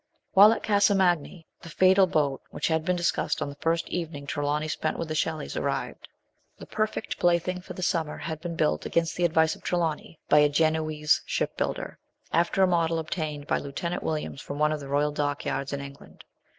While at Casa Magni, the fatal boat which had been discussed on the first evening Trelawny spent with the Shelleys, arrived. The "perfect plaything for the summer " had been built against the advice of Tre lawny, by a Genoese ship builder, after a model obtained by Lieutenant Williams from one of the royal dockyards in England.